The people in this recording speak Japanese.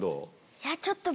いやちょっと。